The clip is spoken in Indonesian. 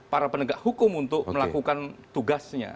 para penegak hukum untuk melakukan tugasnya